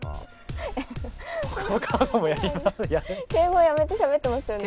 敬語やめてしゃべってますよね？